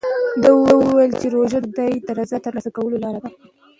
ده وویل چې روژه د خدای د رضا ترلاسه کولو لاره ده.